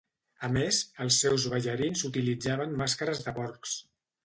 A més, els seus ballarins utilitzaven màscares de porcs.